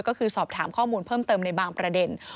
ก็คือสอบถามข้อมูลเพิ่มเติมในบางประเด็น